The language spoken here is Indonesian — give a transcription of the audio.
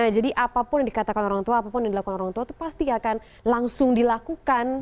jadi apapun yang dikatakan orang tua apapun yang dilakukan orang tua itu pasti akan langsung dilakukan